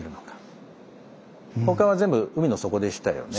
他は全部海の底でしたよね。